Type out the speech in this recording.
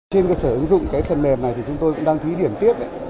trên cơ sở ứng dụng cái phần mềm này thì chúng tôi cũng đang thí điểm tiếp